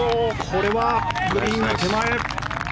これはグリーンの手前。